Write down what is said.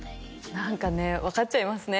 何かね分かっちゃいますね